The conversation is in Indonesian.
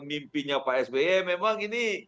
mimpinya pak sby memang ini